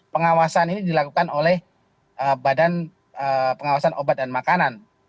pengawasan ini dilakukan oleh badan pengawasan obat dan makanan